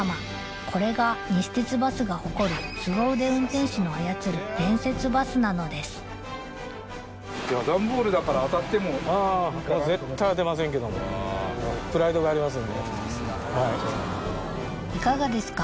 これが西鉄バスが誇るスゴ腕運転士の操る連節バスなのですいかがですか？